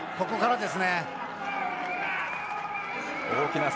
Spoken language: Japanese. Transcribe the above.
ここからですね。